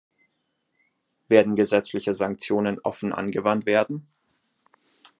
Werden gesetzliche Sanktionen offen angewandt werden?